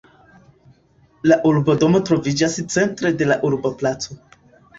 La urbodomo troviĝas centre de la urboplaco.